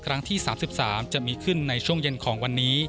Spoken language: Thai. ครั้งที่๓๓จะมีขึ้นในช่วงเย็นของวันนี้